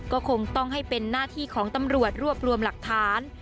ก็คงต้องให้เป็นหน้าที่ของตำรวจรวบรวมหลักฐาน